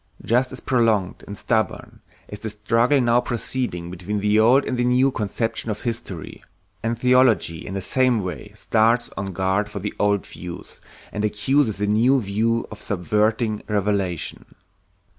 Just as prolonged and stubborn is the struggle now proceeding between the old and the new conception of history, and theology in the same way stands on guard for the old view, and accuses the new view of subverting revelation.